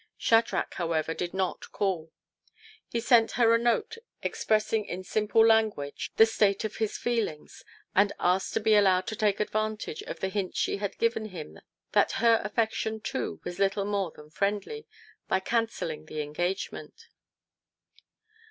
Shadrach, however, did not call. He sent her a note expressing in simple language the ii4 TO PLEASE HIS WIFE. state of his feelings, and asking to be allowed to take advantage of the hints she had given him that her affection, too, was little more than friendly, by cancelling the engagement.